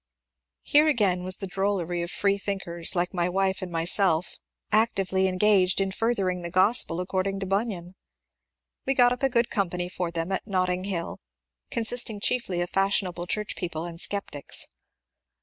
Here again was the drollery of freethinkers like my wife and myself ac tively engaged in furthering the gospel according to Bunyan. We got up a good company for them at Notting Hill, con sisting chiefly of fashionable church people and sceptics.